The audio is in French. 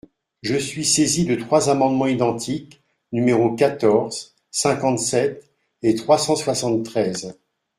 Je suis saisie de trois amendements identiques, numéros quatorze, cinquante-sept et trois cent soixante-treize.